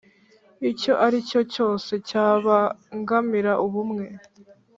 icyo ari cyo cyose cyabangamira ubumwe